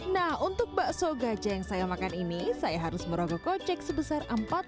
nah untuk bakso gajah yang saya makan ini saya harus merogoh kocek sebesar empat puluh